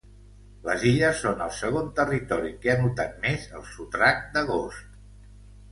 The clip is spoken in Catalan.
Les Illes són el segon territori que ha notat més el sotrac d’agost.